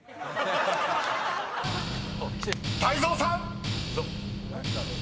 ［泰造さん］